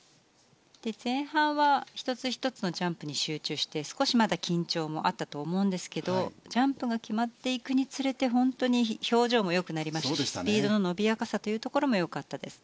前半は１つ１つのジャンプに集中して少しまだ緊張もあったと思うんですけどジャンプが決まっていくにつれて本当に表情もよくなりましたしスピードの伸びやかさというところもよかったです。